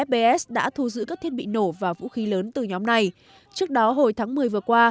ps đã thu giữ các thiết bị nổ và vũ khí lớn từ nhóm này trước đó hồi tháng một mươi vừa qua